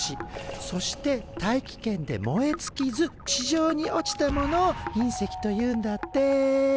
そして大気圏で燃えつきず地上に落ちたものを隕石というんだって！